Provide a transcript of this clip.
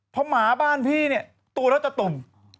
เพราะหมาบ้านพี่เนี่ยตัวแล้วจะตุ่ม